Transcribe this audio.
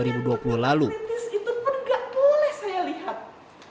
itu pun nggak boleh saya lihat